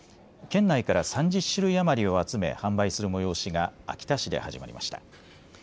県内から３０種類余りを集め販売する催しが秋田市で始まりました。